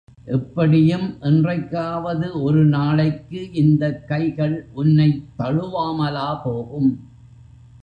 எப்படியும், என்றைக்காவது ஒரு நாளைக்கு இந்தக் கைகள் உன்னைத் தழுவாமலா போகும்?